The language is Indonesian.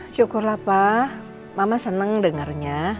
cukurlah pa mama seneng dengernya